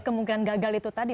kemungkinan gagal itu tadi